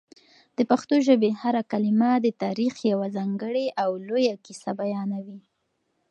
د پښتو ژبې هره کلمه د تاریخ یوه ځانګړې او لویه کیسه بیانوي.